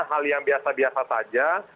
hal yang biasa biasa saja